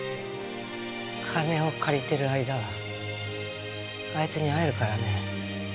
金を借りてる間はあいつに会えるからね。